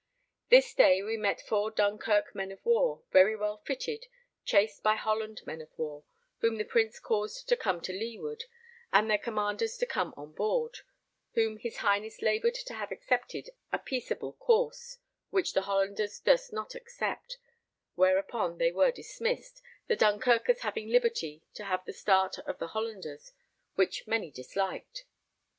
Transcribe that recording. This day we met 4 Dunkirk men of war, very well fitted, chased by Holland men of war, whom the Prince caused to come to leeward, and their commanders to come on board; whom his Highness laboured to have accepted a peaceable course, which the Hollanders durst not accept, whereupon they were dismissed, the Dunkirkers having liberty to have the start of the Hollanders, which many disliked.